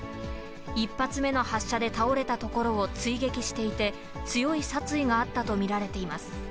１発目の発射で倒れたところを追撃していて、強い殺意があったと見られています。